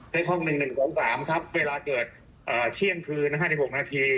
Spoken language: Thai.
เลขห้อง๑๑๒๓ครับเวลาเกิดเที่ยงคืน๕๖นาที